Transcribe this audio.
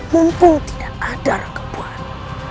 mumpung tidak ada ranggabuana